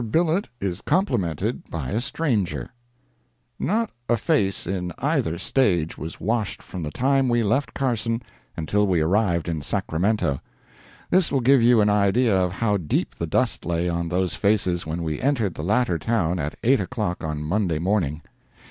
BILLET IS COMPLIMENTED BY A STRANGER Not a face in either stage was washed from the time we left Carson until we arrived in Sacramento; this will give you an idea of how deep the dust lay on those faces when we entered the latter town at eight o'clock on Monday morning.